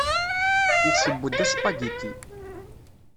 Yesseww-d aspagiti.